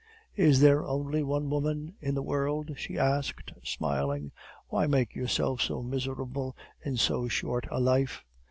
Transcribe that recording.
"'Is there only one woman in the world?' she asked, smiling. 'Why make yourself so miserable in so short a life?